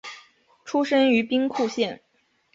出身于兵库县。